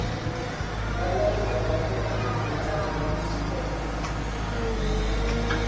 تا لای ئێوارە بیرم بە چارەنووسی ئەو خەریک بوو